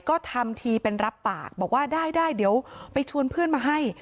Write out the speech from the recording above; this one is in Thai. ก็ทำทีเป็นรับปากบอกว่าได้ได้เดี๋ยวไปชวนเพื่อนมาให้